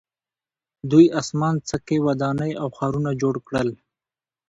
دوی اسمان څکې ودانۍ او ښارونه جوړ کړل.